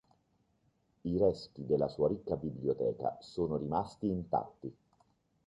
I resti della sua ricca biblioteca sono rimasti intatti.